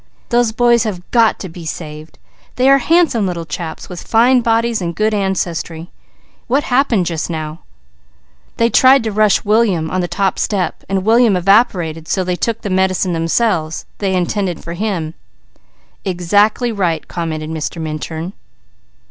Those boys have got to be saved. They are handsome little chaps with fine bodies and good ancestry. What happened just now?" "They tried to rush William on the top step. William evaporated, so they took the fall themselves." "Exactly right," commented Mr. Minturn.